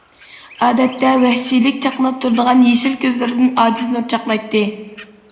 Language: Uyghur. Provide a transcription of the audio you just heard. ئادەتتە ۋەھشىيلىك چاقناپ تۇرىدىغان يېشىل كۆزلىرىدىن ئاجىز نۇر چاقنايتتى.